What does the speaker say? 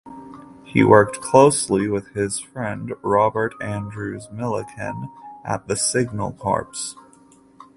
He worked closely with his friend Robert Andrews Millikan at the Signal Corps.